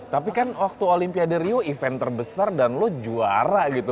tapi kan waktu olimpiade rio event terbesar dan lo juara gitu